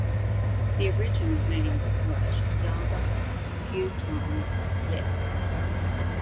The original name was Yaba Hutong, lit.